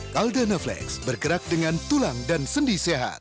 caldana flex bergerak dengan tulang dan sendi sehat